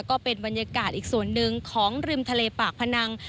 ก็เป็นบรรยากาศอีกส่วนหนึ่งของริมทะเลปากพนัง